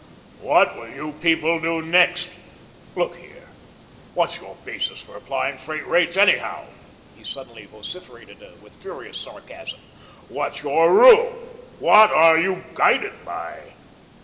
What will you people do next? Look here. What's your basis of applying freight rates, anyhow?" he suddenly vociferated with furious sarcasm. "What's your rule? What are you guided by?"